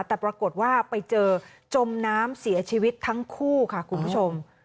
แต่ปรากฏว่าไปเจอจมน้ำเสียชีวิตทั้งคู่ค่ะคุณผู้ชม